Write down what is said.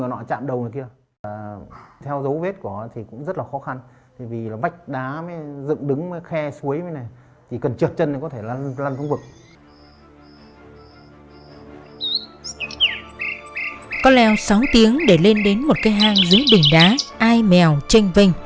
nhưng không dành được một cái đồng tiền tộc nguy hiểm